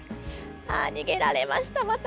あー、逃げられました、また。